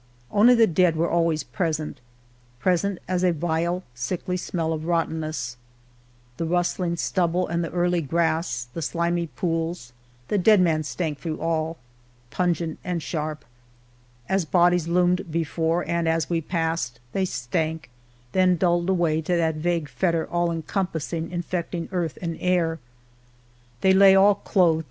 Only the dead were always present â present As a vile sickly smell of rottenness; The ruSllmg flubble and the early grass. The slimy pools â the dead men flank through all. Pungent and sharp; as bodies loomed before. And as we passed, they Slank: then dulled away To that vague factor, all encompassing, Infeding earth and air. They lay, all clothed.